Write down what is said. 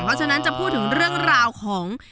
เพราะฉะนั้นจะพูดถึงเรื่องราวของ